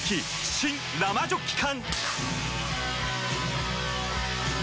新・生ジョッキ缶！